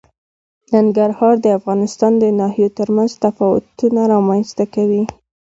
ننګرهار د افغانستان د ناحیو ترمنځ تفاوتونه رامنځ ته کوي.